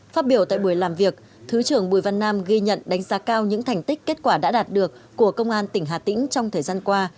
phát biểu tại buổi làm việc thứ trưởng bùi văn nam ghi nhận đánh giá cao những thành tích kết quả đã đạt được của công an tỉnh hà tĩnh trong thời gian qua